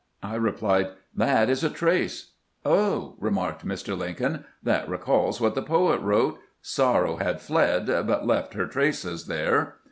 I replied, "That is a trace." " Oh," remarked Mr. Lincoln, " that recalls what the poet wrote :' Sorrow had fled, but left her traces there.'